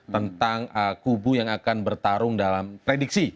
tentang kubu yang akan bertarung dalam prediksi